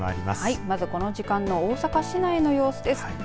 まず、この時間の大阪市内の様子です。